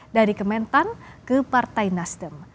dari kementan ke partai nasdem